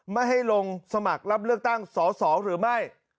ไม่ให้ลงสมัครรับเลือกตั้งสอสอหรือไม่